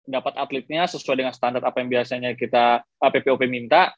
dapat atletnya sesuai dengan standar apa yang biasanya kita ppop minta